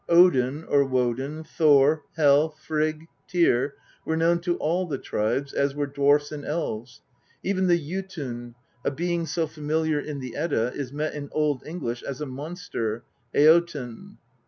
Odin or Woden, Thor, Hel, Frigg, Tyr were known to all the tribes, as were dwarfs and elves ; even the Jotun, a being so familiar in the Edda, is met in old English as a monster, " eoten."